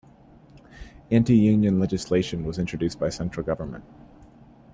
Anti-union legislation was introduced by central government.